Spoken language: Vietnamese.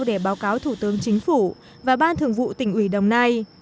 để báo cáo thủ tướng chính phủ và ban thường vụ tỉnh ủy đồng nai